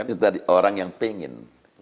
itu tadi orang yang pengen